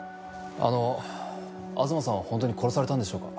あの東さんは本当に殺されたんでしょうか？